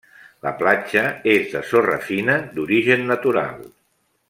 La platja és de sorra fina d'origen natural.